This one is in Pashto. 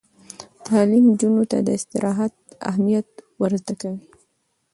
تعلیم نجونو ته د استراحت اهمیت ور زده کوي.